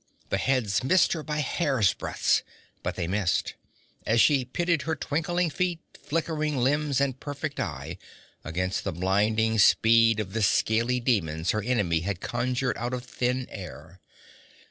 The heads missed her by hair's breadths, but they missed, as she pitted her twinkling feet, flickering limbs and perfect eye against the blinding speed of the scaly demons her enemy had conjured out of thin air.